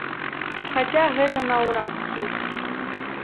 Хаця, гэта наўрад ці.